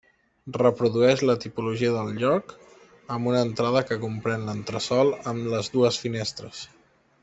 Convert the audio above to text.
Reprodueix la tipologia del lloc, amb una entrada que comprén l'entresòl amb les dues finestres.